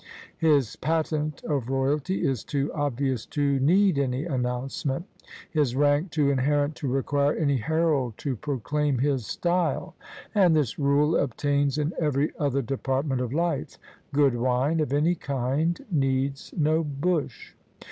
His patent of royalty is too obvious to need any announcement: his rank too inherent to require any herald to proclaim his style. And this rule obtains in every other department of life. Gk)od wine of any kind needs no bush.